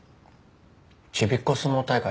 ちびっこ相撲大会じゃ？